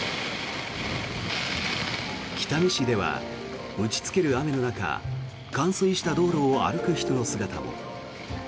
北見市では打ちつける雨の中冠水した道路を歩く人の姿も。